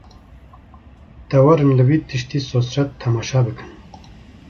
De werin li vî tiştî sosret temaşe bikin